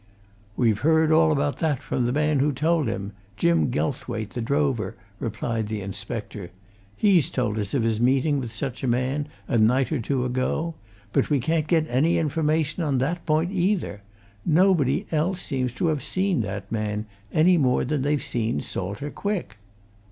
"We've heard all about that from the man who told him Jim Gelthwaite, the drover," replied the inspector. "He's told us of his meeting with such a man, a night or two ago. But we can't get any information on that point, either. Nobody else seems to have seen that man, any more than they've seen Salter Quick!"